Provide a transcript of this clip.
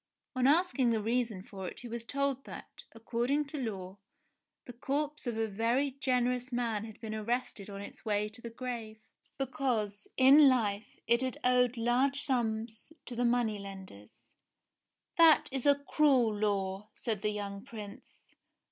On asking the reason for it he was told that, according to law, the corpse of a very generous man had been arrested on its way to the grave, because, in life, it had owed large sums to the money lenders. "That Is a cruel law," said the young Prince.